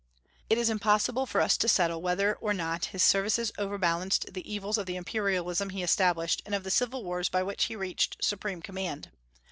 It is impossible for us to settle whether or not his services overbalanced the evils of the imperialism he established and of the civil wars by which he reached supreme command.